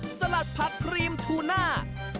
สลัดผักครีมทูน่า